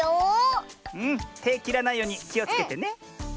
てきらないようにきをつけてね。